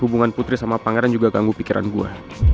hubungan putri sama pangeran juga ganggu pikiran gue